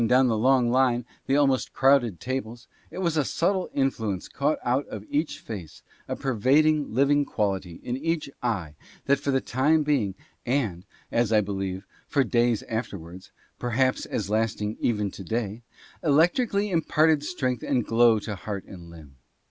13 down the long line, the almost crowded tables, it was a subtle influence caught up out of each face, a pervading, living quality in each eye, that for the time being (and, as I believe, for days afterwards — perhaps as lasting even to day) electrically imparted strength and glow to heart and limb.